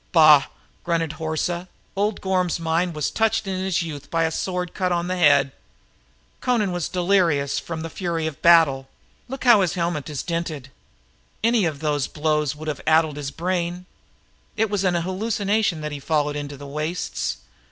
"Bah!" grunted Horsa. "Old Gorm's mind was turned in his youth by a sword cut on the head. Amra was delirious with the fury of battle. Look how his helmet is dinted. Any of those blows might have addled his brain. It was an hallucination he followed into the wastes.